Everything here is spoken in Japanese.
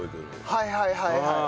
はいはいはいはい。